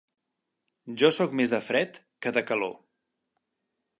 Jo soc més de fred que de calor.